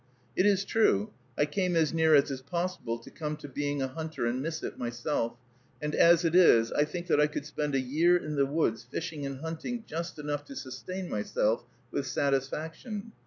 It is true, I came as near as is possible to come to being a hunter and miss it, myself; and as it is, I think that I could spend a year in the woods, fishing and hunting just enough to sustain myself, with satisfaction.